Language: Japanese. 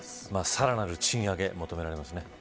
さらなる賃上げ求められますね。